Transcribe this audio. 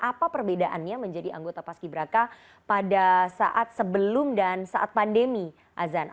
apa perbedaannya menjadi anggota paski beraka pada saat sebelum dan saat pandemi azan